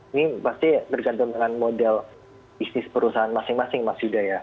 ini pasti bergantung dengan modal bisnis perusahaan masing masing mas yuda ya